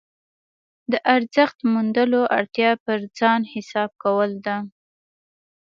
د ارزښت موندلو اړتیا پر ځان حساب کول ده.